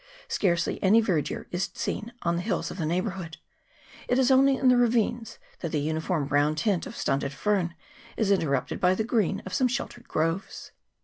Scarcely any ver dure is seen on the hills of the neighbourhood : it is only in the ravines that the uniform brown tint of stunted fern is interrupted by the green of some sheltered groves.